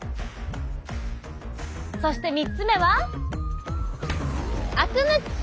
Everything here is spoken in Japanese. そして３つ目は「あく抜き」。